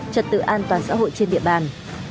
trật tự an toàn xã hội trên địa bàn